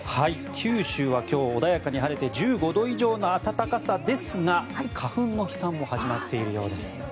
九州は今日、穏やかに晴れて１５度以上の暖かさですが花粉の飛散も始まっているようです。